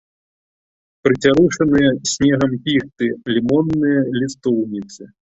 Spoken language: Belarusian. Прыцярушаныя снегам піхты, лімонныя лістоўніцы.